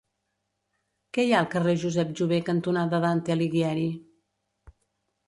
Què hi ha al carrer Josep Jover cantonada Dante Alighieri?